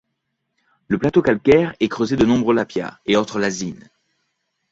Le plateau calcaire est creusé de nombreux lapiaz, et autres lazines.